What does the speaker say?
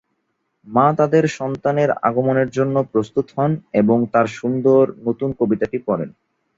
মা তাদের সন্তানের আগমনের জন্য প্রস্তুত হন এবং তাঁর সুন্দর নতুন কবিতাটি পড়েন।